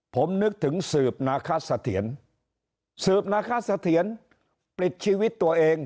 ผมนึกถึงสืบนาคสะเทียนสืบนาคสะเทียนปลิดชีวิตตัวเอง